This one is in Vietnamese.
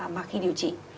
mà khi điều trị